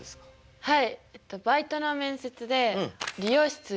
はい。